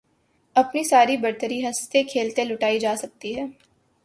اپنی ساری برتری ہنستے کھیلتے لُٹائی جا سکتی ہے